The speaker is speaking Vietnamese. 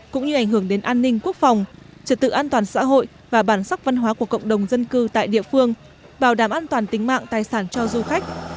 cũng như ảnh hưởng đến an ninh quốc phòng trật tự an toàn xã hội và bản sắc văn hóa của cộng đồng dân cư tại địa phương bảo đảm an toàn tính mạng tài sản cho du khách